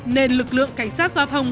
nền lực lượng cảnh sát giao thông